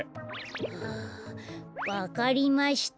はあ「わかりました」